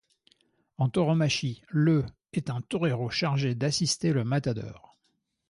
En tauromachie, le est un torero chargé d’assister le matador.